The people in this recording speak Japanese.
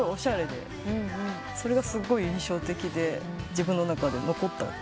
それがすごい印象的で自分の中で残ったというか。